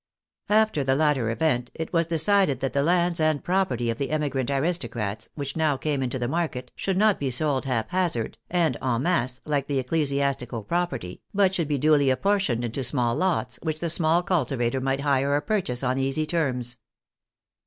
After the latter event it was decided that the lands and property of the emigrant aris tocrats which now came into the market should not be sold haphazard and en masse like the ecclesiastical prop erty, but should be duly apportioned into small lots, which the small cultivator might hire or purchase on easy terms.